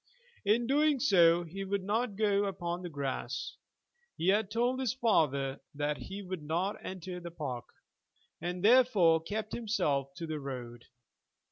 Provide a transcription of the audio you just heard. In doing so he would not go upon the grass. He had told his father that he would not enter the park, and therefore kept himself to the road.